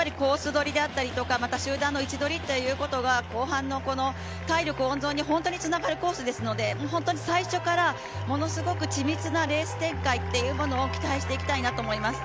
取りであったり集団の位置取りっていうところが後半の体力の温存に本当につながるコースですので本当に最初からものすごく緻密なレース展開を期待していきたいなと思います。